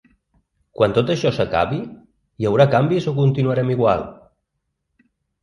Quan tot això s’acabi, hi haurà canvis o continuarem igual?